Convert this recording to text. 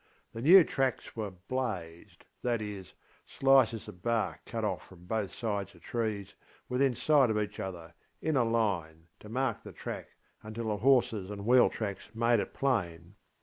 The new tracks were ŌĆśblazedŌĆÖŌĆöthat is, slices of bark cut off from both sides of trees, within sight of each other, in a line, to mark the track until the horses and wheel marks made it plain.